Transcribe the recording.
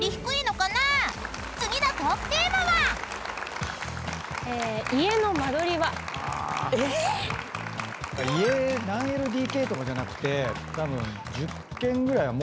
［次のトークテーマは？］え⁉家何ＬＤＫとかじゃなくてたぶん。